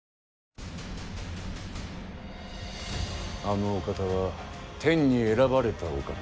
あのお方は天に選ばれたお方。